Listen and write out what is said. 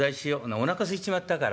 おなかすいちまったから。